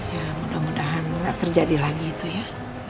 ya mudah mudahan nggak terjadi lagi itu ya